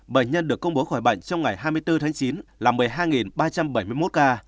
bệnh nhân được công bố khỏi bệnh trong ngày hai mươi bốn tháng chín là một mươi hai ba trăm bảy mươi một ca